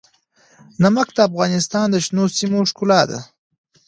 نمک د افغانستان د شنو سیمو ښکلا ده.